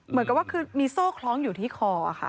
เหมือนกับว่าคือมีโซ่คล้องอยู่ที่คอค่ะ